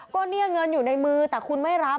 ก็เนี่ยเงินอยู่ในมือแต่คุณไม่รับ